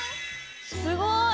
すごい！